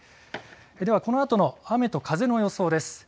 ではこのあとの雨と風の予想です。